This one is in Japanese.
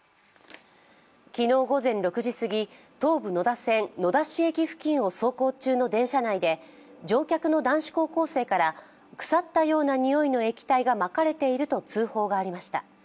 昨日午前６時過ぎ、東武野田線・野田市駅付近を走行中の車内で乗客の男子高校生から腐ったような臭いの液体がまかれていると通報がありました。